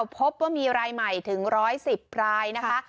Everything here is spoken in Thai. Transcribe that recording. พบว่ามีรายใหม่ถึง๑๑๐รายนะคะ